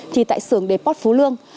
thì tại xưởng deport phú lương